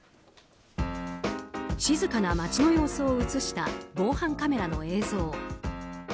静かな街の様子を映した防犯カメラの映像。